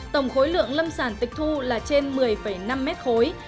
tổng khối lượng lâm sản tịch thu là trên một mươi năm mét khối